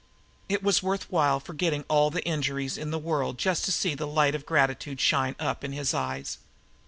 It was worth while forgetting all the injuries in the world just to see the light of gratitude shine up in his eyes.